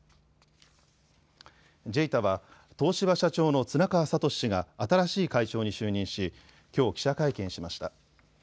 ＪＥＩＴＡは東芝社長の綱川智氏が新しい会長に就任しきょう記者会見しました。